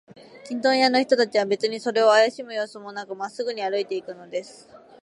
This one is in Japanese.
チンドン屋の人たちは、べつにそれをあやしむようすもなく、まっすぐに歩いていくのです。